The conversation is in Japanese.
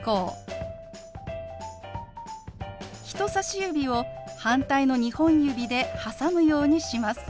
人さし指を反対の２本指で挟むようにします。